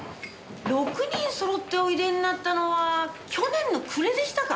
６人揃っておいでになったのは去年の暮れでしたか。